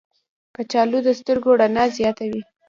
کچالو د سترګو رڼا زیاتوي.